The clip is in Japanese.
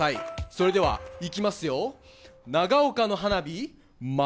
それではいきますよ。